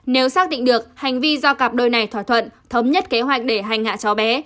nếu xác định được hành vi do cặp đôi này thỏa thuận thống nhất kế hoạch để hành hạ cháu bé